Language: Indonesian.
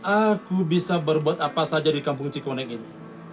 aku bisa berbuat apa saja di kampung cikoneng ini